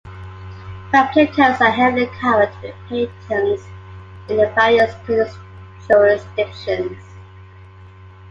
Raptor codes are heavily covered with patents in various jurisdictions.